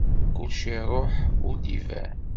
Kullec iruḥ ur d-iban.